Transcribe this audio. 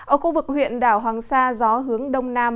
ở khu vực huyện đảo hoàng sa gió hướng đông nam